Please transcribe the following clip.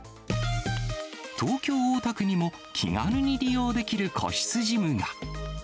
東京・大田区にも、気軽に利用できる個室ジムが。